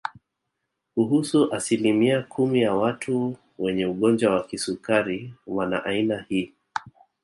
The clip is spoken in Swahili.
Kuhusu asilimia kumi ya watu wenye ugonjwa wa kisukari wana aina hii